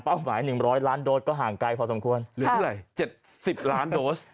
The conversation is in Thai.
เป้าหมายหนึ่งร้อยล้านโดสก็ห่างไกลพอสำควรครับแล้วเกินไล่เจ็ดสิบล้านโดส